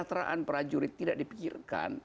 kesehatan prajurit tidak dipikirkan